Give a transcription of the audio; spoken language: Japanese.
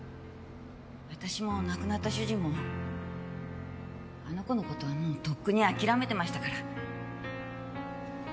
あたしも亡くなった主人もあの子の事はもうとっくに諦めてましたから。